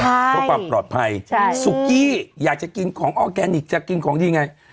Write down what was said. เพื่อความปลอดภัยสุกี้อยากจะกินของออร์แกนิคจะกินของดีไง